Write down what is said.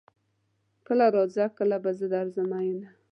کله راځه کله به زه درځم ميينه